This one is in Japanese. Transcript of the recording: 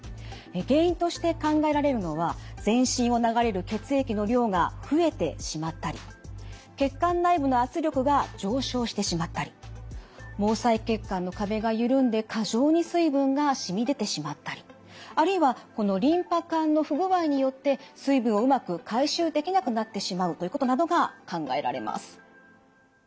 原因として考えられるのは全身を流れる血液の量が増えてしまったり血管内部の圧力が上昇してしまったり毛細血管の壁が緩んで過剰に水分がしみ出てしまったりあるいはこのリンパ管の不具合によって水分をうまく回収できなくなってしまうということなどが考えられます。